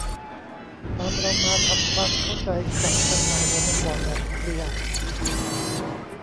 ตามเรามาทำความเข้าใจกับปัญหาหัวนมบอดแบบเคลียร์